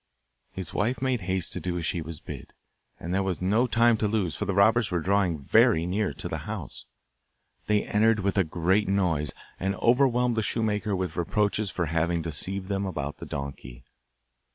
The wife made haste to do as she was bid, and there was no time to lose, for the robbers were drawing very near the house. They entered with a great noise, and overwhelmed the shoemaker with reproaches for having deceived them about the donkey.